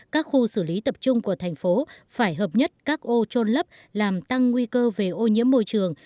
các khu xử lý tập trung của thành phố phải hợp nhất các ô trôn lấp làm tăng nguy cơ về ô nhiễm môi trường